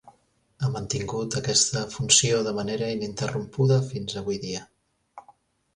Ha mantingut aquesta funció de manera ininterrompuda fins avui dia.